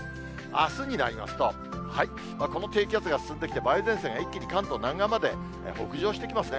あすになりますと、この低気圧が進んできて、梅雨前線が一気に関東南岸まで北上してきますね。